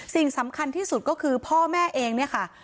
สิ่งสำคัญที่สุดก็คือพ่อแม่เองเนี่ยค่ะ